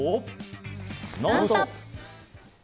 「ノンストップ！」。